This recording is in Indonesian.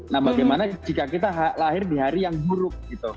nah bagaimana jika kita lahir di hari yang buruk gitu